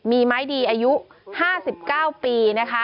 มีไม้ดีอายุ๕๙ปี